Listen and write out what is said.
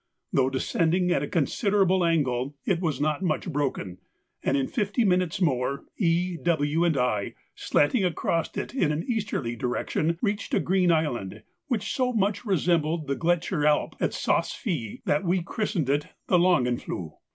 Though descending at a considerable angle, it was not much broken, and in fifty minutes more E., W., and I, slanting across it in an easterly direction, reached a green island which so much resembled the Gletscher Alp at Saas Fee that we christened it the Langenfluh.